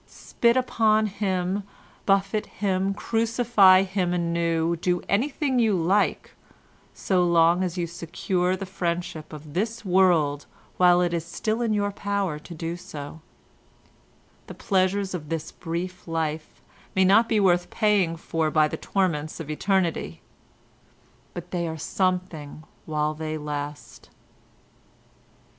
Spit upon him, buffet him, crucify him anew, do anything you like so long as you secure the friendship of this world while it is still in your power to do so; the pleasures of this brief life may not be worth paying for by the torments of eternity, but they are something while they last.